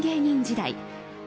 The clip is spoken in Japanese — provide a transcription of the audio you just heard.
芸人時代